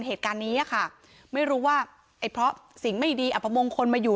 เหตุการณ์นี้ค่ะไม่รู้ว่าไอ้เพราะสิ่งไม่ดีอัพมงคลมาอยู่